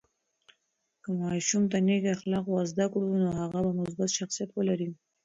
که ماشوم ته نیک اخلاق ورزده کړو، نو هغه به مثبت شخصیت ولري.